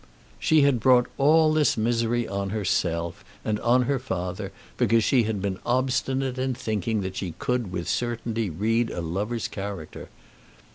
She had brought all this misery on herself and on her father because she had been obstinate in thinking that she could with certainty read a lover's character.